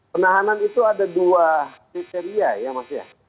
penahanan itu ada dua kriteria ya mas ya